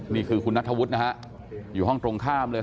นี่คือคุณนัทธวุฒินะฮะอยู่ห้องตรงข้ามเลย